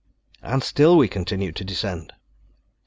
And still we continued to descend!